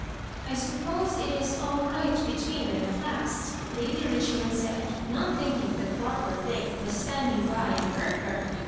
" I suppose it is all right between them at last," Lady Richmond said, not thinking that Barbara Lake was standing by and heard her.